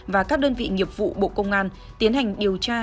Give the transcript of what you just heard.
và các đơn vị nghiệp vụ bộ công an tiến hành điều tra